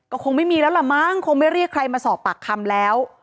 ก็คงไม่มีแล้วล่ะมั้งคงไม่เรียกใครมาสอบปากคำแล้ว